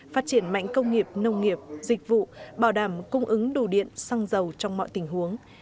phát triển mạnh công nghiệp nông nghiệp dịch vụ bảo đảm cung ứng đủ điện xăng dầu trong mọi tình huống